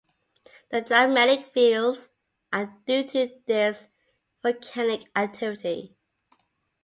The dramatic views are due to this volcanic activity.